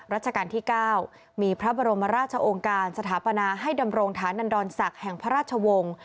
ราชการที่๙มีพระบรมราชองค์การสถาปนาให้ดำรงฐานันดรศักดิ์แห่งพระราชวงศ์